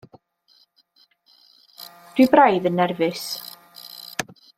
Dwi braidd yn nerfus.